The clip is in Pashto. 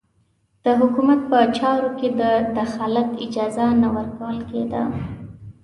د حکومت په چارو کې د دخالت اجازه نه ورکول کېده.